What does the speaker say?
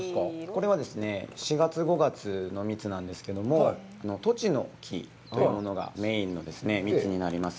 これはですね、４月、５月の蜜なんですけれども、トチの木というものがメインの蜜になります。